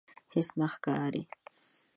هیڅ نه ښکاري